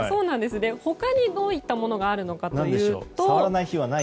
他にどういったものがあるかというと。